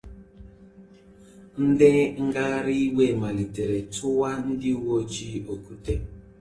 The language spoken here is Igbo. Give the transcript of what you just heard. Ndị ngagharị iwe malitere tụwa ndị uwe ojii okwute